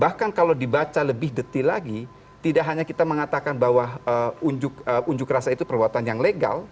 bahkan kalau dibaca lebih detil lagi tidak hanya kita mengatakan bahwa unjuk rasa itu perbuatan yang legal